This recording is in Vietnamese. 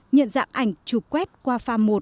nhận dạng ảnh chụp quét qua pha một